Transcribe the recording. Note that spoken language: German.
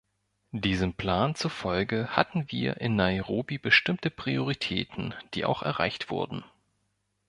Diesem Plan zufolge hatten wir in Nairobi bestimmte Prioritäten, die auch erreicht wurden.